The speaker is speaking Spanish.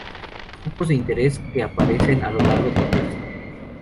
los grupos de interés que aparecen a lo largo del texto